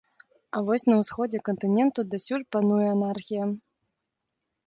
А вось на ўсходзе кантыненту дасюль пануе анархія.